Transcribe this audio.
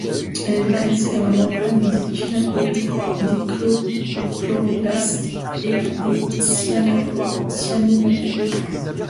Elle est localisée dans la membrane des thylakoïdes des chloroplastes et des cyanobactéries.